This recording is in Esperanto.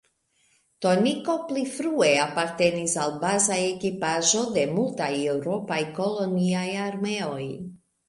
Toniko pli frue apartenis al baza ekipaĵo de multaj eŭropaj koloniaj armeoj.